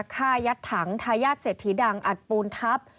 ฆ่ายัดถังทายาทเศรษฐีดังอัดปูนทัพ